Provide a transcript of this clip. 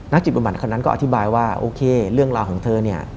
จิตบำบัดคนนั้นก็อธิบายว่าโอเคเรื่องราวของเธอเนี่ย